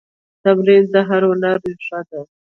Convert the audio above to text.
تمرین د هر هنر ریښه ده.